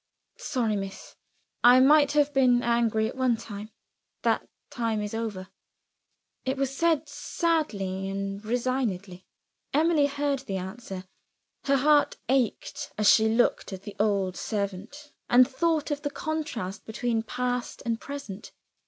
"Sorry, miss. I might have been angry, at one time. That time is over." It was said sadly and resignedly: Emily heard the answer. Her heart ached as she looked at the old servant, and thought of the contrast between past and present.